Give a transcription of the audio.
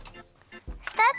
スタート！